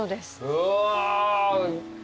うわ。